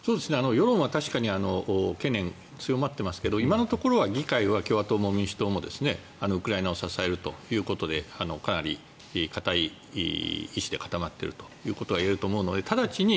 世論は確かに懸念が強まっていますが今のところは議会は共和党も民主党もウクライナを支えるということでかなり固い意思で固まってるということは言えると思うのでただちに